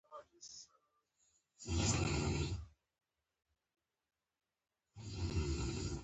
د دې لامل شوه چې زبېښونکي بنسټونه د رهبرانو لپاره پاتې شي.